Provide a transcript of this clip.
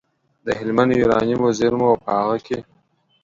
د هلمند یورانیمو زېرمو او په هغه کې